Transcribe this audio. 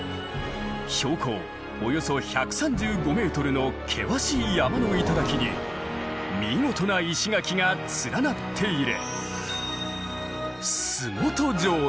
標高およそ１３５ｍの険しい山の頂に見事な石垣が連なっている。